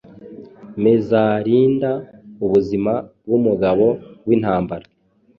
mezaarinda ubuzima bwumugabo wintambara